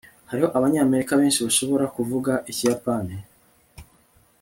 hariho abanyamerika benshi bashobora kuvuga ikiyapani